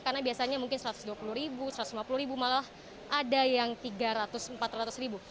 karena biasanya mungkin rp satu ratus dua puluh rp satu ratus lima puluh malah ada yang rp tiga ratus rp empat ratus